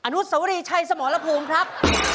นุสวรีชัยสมรภูมิครับ